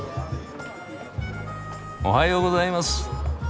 おはようございます。